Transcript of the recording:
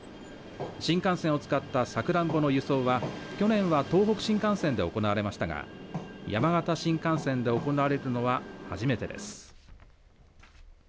新幹線を使ったさくらんぼの輸送は去年は東北新幹線で行われましたが山形新幹線で行われるのは初めてです。